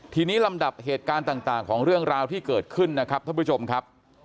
ทีนี้ลำดับเหตุการณ์ต่างของเรื่องราวที่เกิดขึ้นนะครับท่านผู้ชมครับ